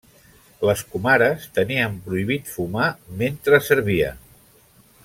Les comares tenien prohibit fumar mentre servien.